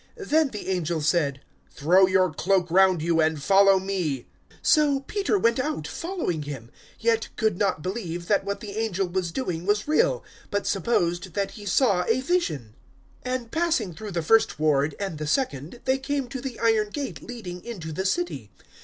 Then the angel said, "Throw your cloak round you, and follow me." 012:009 So Peter went out, following him, yet could not believe that what the angel was doing was real, but supposed that he saw a vision. 012:010 And passing through the first ward and the second, they came to the iron gate leading into the city.